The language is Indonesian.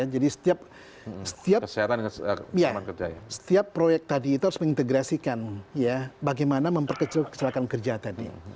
jadi setiap proyek tadi itu harus mengintegrasikan ya bagaimana memperkecil kecelakaan kerja tadi